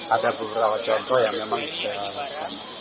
ada beberapa contoh yang memang kita lakukan